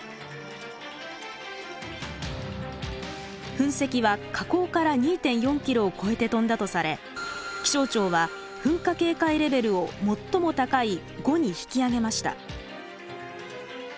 噴石は火口から２．４ｋｍを超えて飛んだとされ気象庁は噴火警戒レベルを最も高い５に引き上げました。